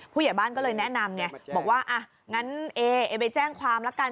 ผู้ใหญ่บ้านก็เลยแนะนำไงบอกว่าอ่ะงั้นเอไปแจ้งความละกัน